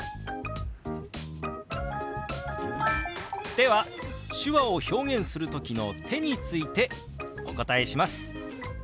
では手話を表現する時の「手」についてお答えします。